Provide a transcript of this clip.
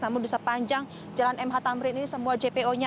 namun di sepanjang jalan mh tamrin ini semua jpo nya